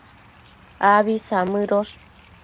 Abi samëdosh